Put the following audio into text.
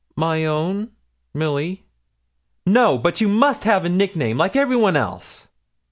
'My own, Milly.' 'No, but you must have a nickname, like every one else.'